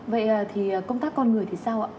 vậy thì công tác con người thì sao ạ